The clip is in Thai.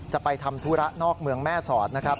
จะไปทำธุระนอกเมืองแม่ศอด